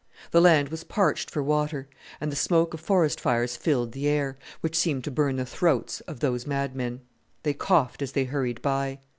The land was parched for water, and the smoke of forest fires filled the air, which seemed to burn the throats of those mad men. They coughed as they hurried by.